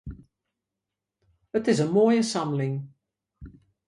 It is in moaie samling.